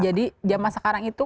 jadi zaman sekarang itu